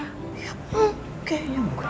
hmm kayaknya bukan